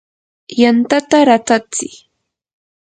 yantata ratatsi.